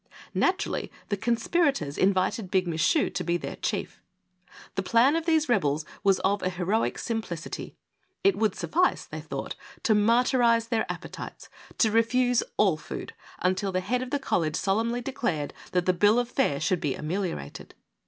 Naturally the conspirators invited Big Michu to be their chief. The plan of these rebels was of a heroic simplicity. It would suffice, they thought, to martyrize their appetites — to refuse all food until the head of the college solemnly declared that the bill of fare should be ameliorated.